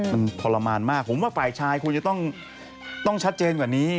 มันทรมานมากผมว่าฝ่ายชายควรจะต้องชัดเจนกว่านี้